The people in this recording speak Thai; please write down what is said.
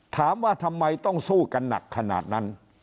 ถามว่าทำไมต้องสู้กันหนักขนาดนั้น